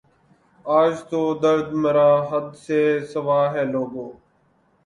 آج تو درد مرا حد سے سوا ہے لوگو